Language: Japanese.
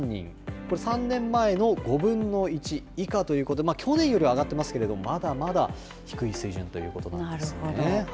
これ、３年前の５分の１以下ということで、去年よりは上がっていますけれども、まだまだ低い水準ということなんですね。